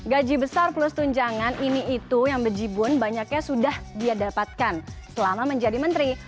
gaji besar plus tunjangan ini itu yang bejibun banyaknya sudah dia dapatkan selama menjadi menteri